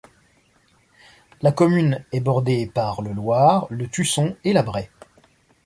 La commune est bordée par le Loir, le Tusson et la Braye.